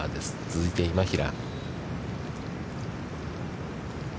続いて今平。